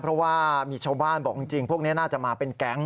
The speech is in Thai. เพราะว่ามีชาวบ้านบอกจริงพวกนี้น่าจะมาเป็นแก๊ง